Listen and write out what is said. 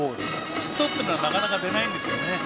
ヒットというのはなかなか出ないんです。